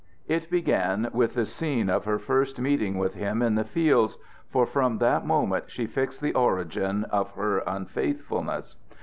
It began with the scene of her first meeting with him in the fields, for from that moment she fixed the origin of her unfaithfulness.